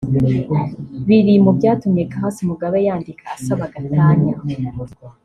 biri mu byatumye Grace Mugabe yandika asaba gatanya